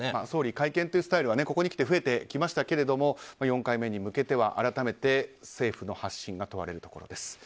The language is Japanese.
総理会見というスタイルはここにきて増えてはきましたが４回目に向けては改めて政府の発信が問われるところです。